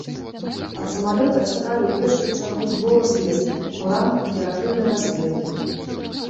Ад самалёта чакалі ў першую чаргу збору звестак у рамках аператыўнай разведкі.